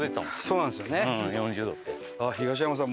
うん４０度って。